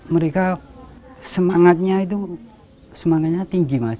mereka semangatnya itu semangatnya tinggi mas